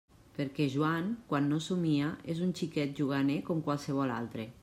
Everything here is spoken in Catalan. Perquè Joan, quan no somnia, és un xiquet juganer com qualsevol altre.